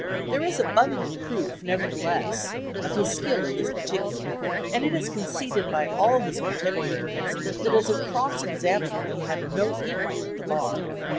There is abundant proof, nevertheless, of his skill in this particular, and it is conceded by all his contemporaries that as a cross examiner he had no equal at the bar.